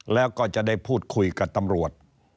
แล้วก็จะได้พูดคุยกับตำรวจ